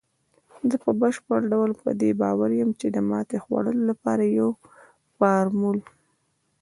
زه په بشپړ ډول په دې باور یم، چې د ماتې خوړلو لپاره یو فارمول